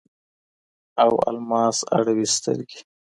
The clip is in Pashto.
او الماس اړوي سترګي